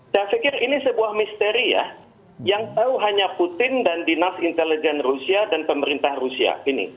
saya pikir ini sebuah misteri ya yang tahu hanya putin dan dinas intelijen rusia dan pemerintah rusia